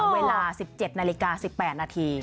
เวลา๑๗นาฬิกา๑๘นาที